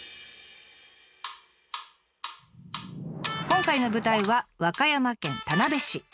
今回の舞台は和歌山県田辺市。